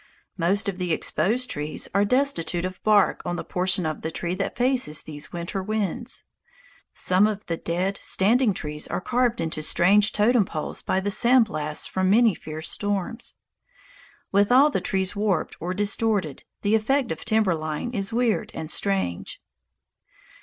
Most of the exposed trees are destitute of bark on the portion of the trunk that faces these winter winds. Some of the dead standing trees are carved into strange totem poles by the sand blasts of many fierce storms. With all the trees warped or distorted, the effect of timber line is weird and strange.